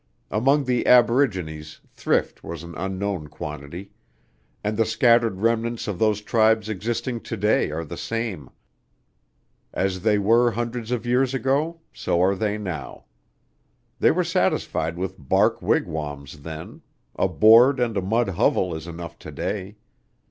Among the aborigines thrift was an unknown quantity, and the scattered remnants of those tribes existing to day are the same. As they were hundreds of years ago, so are they now. They were satisfied with bark wigwams then; a board and a mud hovel is enough to day.